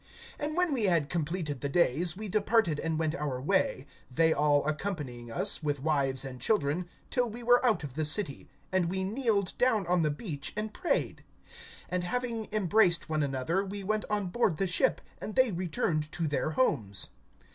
(5)And when we had completed the days, we departed and went our way; they all accompanying us, with wives and children, till we were out of the city; and we kneeled down on the beach, and prayed. (6)And having embraced one another, we went on board the ship; and they returned to their homes.